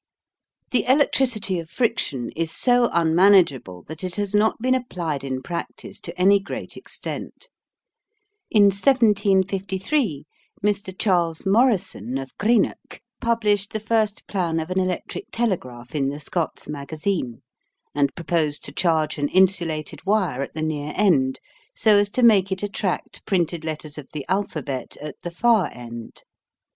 The electricity of friction is so unmanageable that it has not been applied in practice to any great extent. In 1753 Mr. Charles Morrison, of Greenock, published the first plan of an electric telegraph in the Scots Magazine, and proposed to charge an insulated wire at the near end so as to make it attract printed letters of the alphabet at the far end.